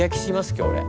今日俺。